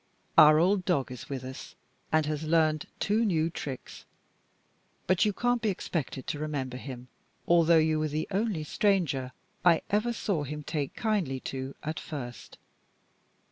Our old dog is with us, and has learned two new tricks; but you can't be expected to remember him, although you were the only stranger I ever saw him take kindly to at first.